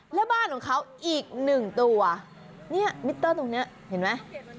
แล้วบ้านของเขาอีกหนึ่งตัวเนี่ยมิเตอร์ตรงนี้เห็นไหม